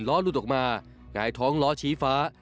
หลุดออกมาหงายท้องล้อชี้ฟ้า